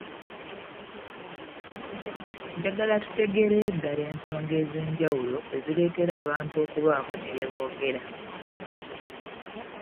Njagala tutegeerere ddala ensonga ez’enjawulo ezireetera abantu okubaako ne bye boogera.